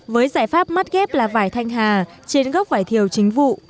với giải pháp mắt ghép là vải thanh hà trên gốc vải thiều chính vụ